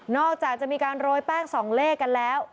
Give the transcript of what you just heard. นอกจากจะมีการโรยแปลก๒เลขกันแล้ว